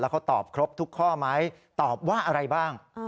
เขาตอบครบทุกข้อไหมตอบว่าอะไรบ้าง